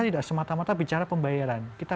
tidak semata mata bicara pembayaran kita